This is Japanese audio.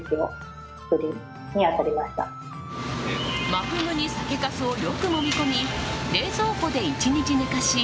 真フグに酒かすをよくもみ込み冷蔵庫で１日寝かし